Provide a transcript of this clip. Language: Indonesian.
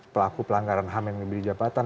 pelaku pelanggaran ham yang diberi jabatan